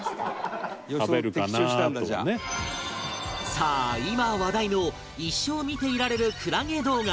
さあ今話題の一生見ていられるクラゲ動画